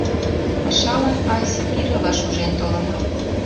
Пашалан ась пирыла шужен толынам.